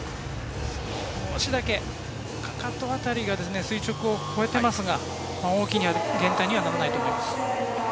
少しだけ、かかと辺りが垂直を超えていますが大きな減点にはならないと思います。